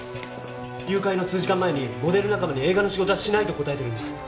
誘拐の数時間前にモデル仲間に映画の仕事はしないと答えてるんです。